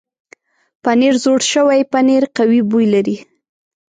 پنېر زوړ شوی پنېر قوي بوی لري.